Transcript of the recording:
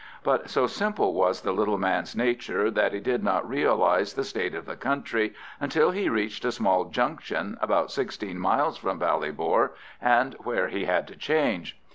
But so simple was the little man's nature that he did not realise the state of the country until he reached a small junction about sixteen miles from Ballybor, and where he had to change.